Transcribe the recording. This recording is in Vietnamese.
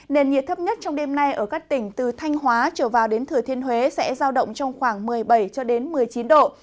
nền nhiệt thấp nhất trong đêm nay ở các tỉnh từ thanh hóa trở vào đến thừa thiên huế sẽ giao động trong khoảng một mươi bảy một mươi chín độ